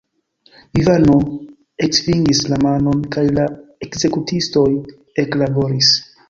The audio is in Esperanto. Ivano eksvingis la manon, kaj la ekzekutistoj eklaboris.